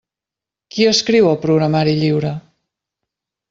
Qui escriu el programari lliure?